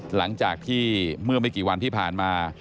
หลังจากที่เมื่อไม่กี่วันที่ผ่านมา